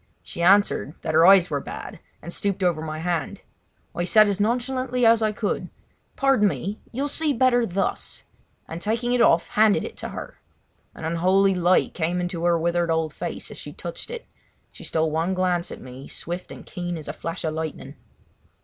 She answered that her eyes were bad, and stooped over my hand. I said as nonchalantly as I could: "Pardon me! You will see better thus!" and taking it off handed it to her. An unholy light came into her withered old face, as she touched it. She stole one glance at me swift and keen as a flash of lightning.